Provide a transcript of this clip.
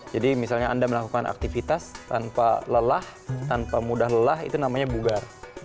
jadi misalnya anda melakukan aktivitas tanpa lelah tanpa mudah lelah itu namanya bugar